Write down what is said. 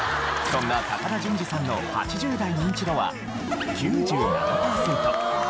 そんな高田純次さんの８０代ニンチドは９７パーセント。